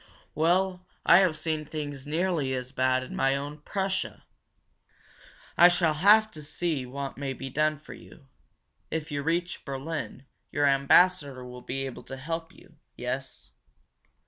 Well, I have seen things nearly as bad in my own Prussia! I shall have to see what may be done for you. If you reach Berlin, your ambassador will be able to help you, yes?"